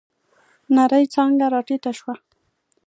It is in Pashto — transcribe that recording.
نرۍ څانگه راټيټه شوه.